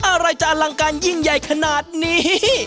อะไรจะอลังการยิ่งใหญ่ขนาดนี้